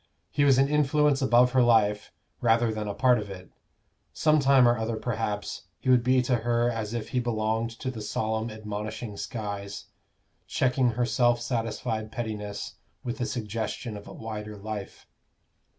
He was an influence above her life, rather than a part of it; some time or other, perhaps, he would be to her as if he belonged to the solemn admonishing skies, checking her self satisfied pettiness with the suggestion of a wider life.